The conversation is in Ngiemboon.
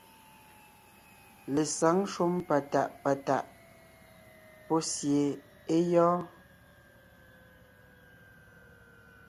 Lesǎŋ shúm patàʼ patàʼ pɔ́ sie é gyɔ́ɔn.